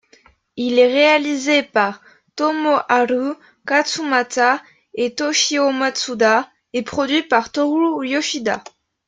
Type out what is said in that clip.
Il est réalisé par Tomoharu Katsumata et Toshio Masuda et produit par Toru Yoshida.